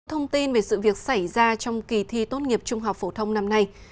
thông tin về sự việc xảy ra trong kỳ thi tốt nghiệp trung học phổ thông năm nay